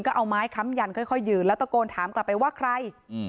ก็เอาไม้ค้ำยันค่อยยืนแล้วตะโกนถามกลับไปว่าใคร